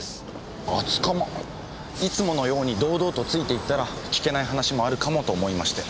いつものように堂々とついていったら聞けない話もあるかもと思いまして。